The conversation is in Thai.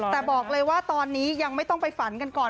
แต่บอกเลยว่าตอนนี้ยังไม่ต้องไปฝันกันก่อน